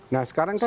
nah sekarang kan